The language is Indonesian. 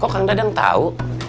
kok kang dadang tau